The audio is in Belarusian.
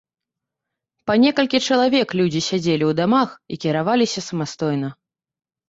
Па некалькі чалавек людзі сядзелі ў дамах і кіраваліся самастойна.